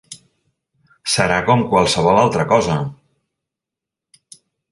Serà com qualsevol altra cosa!